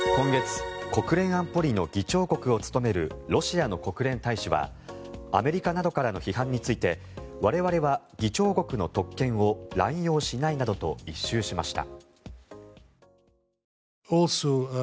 今月国連安保理の議長国を務めるロシアの国連大使はアメリカなどからの批判について我々は議長国の特権を乱用しないなどと一蹴しました。